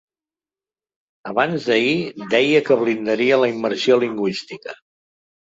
Abans d'ahir deia que blindaria la immersió lingüística.